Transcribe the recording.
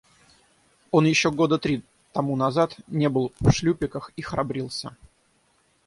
Он еще года три тому назад не был в шлюпиках и храбрился.